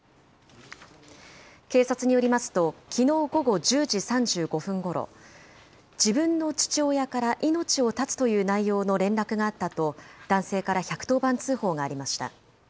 警察によりますと、きのう午後１０時３５分ごろ、自分の父親から命を絶つという内容の連絡があったと男性から１１０番通報がありました。